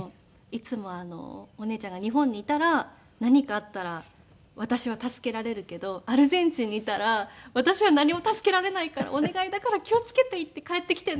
いつも「お姉ちゃんが日本にいたら何かあったら私は助けられるけどアルゼンチンにいたら私は何も助けられないからお願いだから気を付けて行って帰ってきてね」